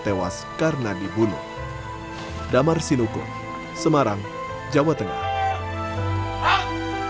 tewas karena dibunuh damar sinuko semarang jawa tengah ah